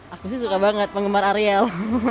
aku sih suka banget penggemar ariel